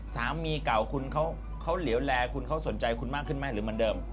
สามีเก่าคุณเขาเหลวแลคุณเขาสนใจคุณมากขึ้นไหมหรือเหมือนเดิม